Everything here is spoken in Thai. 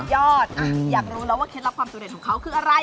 ยอดอยากรู้แล้วว่าเคล็ดลับความสูเด็ดของเขาคืออะไร